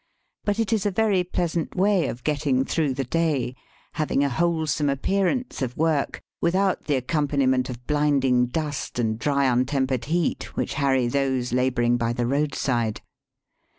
But it is a very pleasant way of getting through the day, having a wholesome appearance of work, without the accompaniment of bhnding dust and dry untempered heat which harry those labouring by the roadside.